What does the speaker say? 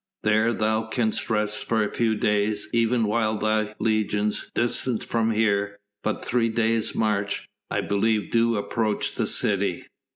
There thou canst rest for a few days even while thy legions, distant from here but three days' march, I believe, do approach the city."